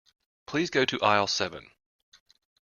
Please go to aisle seven.